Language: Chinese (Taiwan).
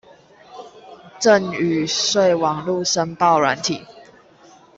贈與稅網路申報軟體